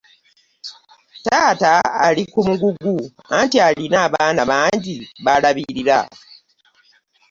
Taata ali ku mugugu anti alina abaana bangi b'alabirira.